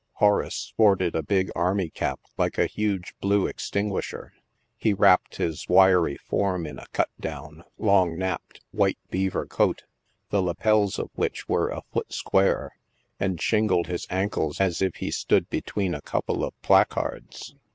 " Horace" sported a big army cap like a huge blue cxtkif uisher. He wrapped his wiry form in a cut down, loag napped white^be.ivcr coat, the lappels of which were a foot square, and shingled his ankle3 as if he stood between a couple of placards.